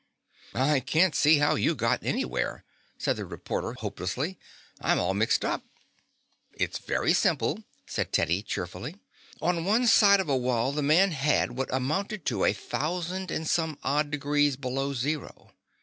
"I can't see how you got anywhere," said the reporter hopelessly. "I'm all mixed up." "It's very simple," said Teddy cheerfully. "On one side of a wall the man had what amounted to a thousand and some odd degrees below zero.